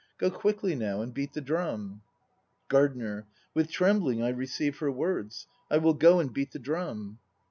Go quickly now and beat the drum! GARDENER. With trembling I receive her words. I will go and beat the drum.